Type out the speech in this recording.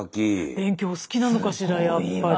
勉強お好きなのかしらやっぱり。